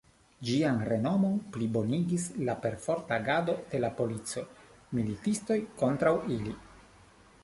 Ĝian renomon plibonigis la perforta agado de la polico, militistoj kontraŭ ili.